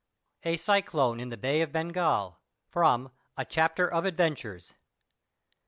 *A CYCLONE IN THE BAY OF BENGAL.* *FROM "A CHAPTER OF ADVENTURES."